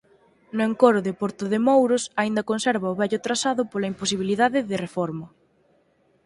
No encoro de Portodemouros aínda conserva o vello trazado pola imposibilidade de reforma.